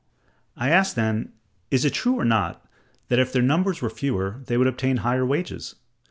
I ask, then, is it true or not, that if their numbers were fewer they would obtain higher wages?